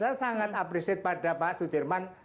saya sangat appreciate pada pak sudirman